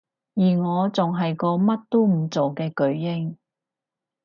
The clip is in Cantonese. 而我仲係個乜都唔做嘅巨嬰